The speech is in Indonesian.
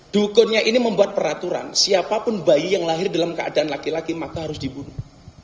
dukunnya ini membuat peraturan siapapun bayi yang lahir dalam keadaan laki laki maka harus dibunuh